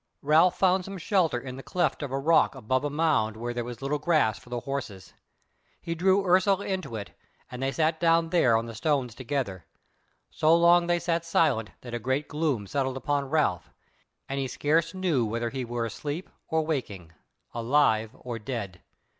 Ralph found some shelter in the cleft of a rock above a mound where was little grass for the horses. He drew Ursula into it, and they sat down there on the stones together. So long they sat silent that a great gloom settled upon Ralph, and he scarce knew whether he were asleep or waking, alive or dead.